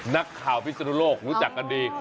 นักข่าวพิศนุโลกรู้จักกันดี